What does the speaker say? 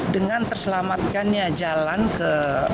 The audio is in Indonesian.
dengan terselamatkannya jalan ke